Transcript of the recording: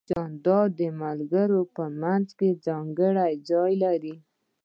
جانداد د ملګرو په منځ کې ځانګړی ځای لري.